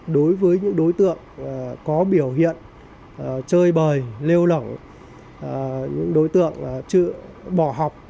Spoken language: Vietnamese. đối với những đối tượng có biểu hiện chơi bời lêu lỏng những đối tượng bỏ học